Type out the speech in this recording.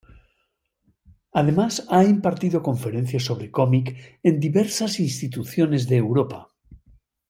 Además, ha impartido conferencias sobre cómic en diversas instituciones de Europa.